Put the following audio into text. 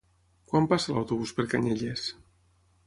Quan passa l'autobús per Canyelles?